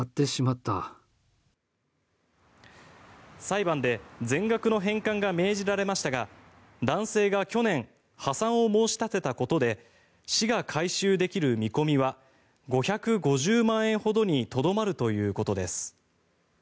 裁判で全額の返還が命じられましたが男性が去年、破産を申し立てたことで市が回収できる見込みは５５０万円ほどにとどまるということです。